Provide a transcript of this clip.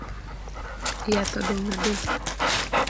Yath odong’ adek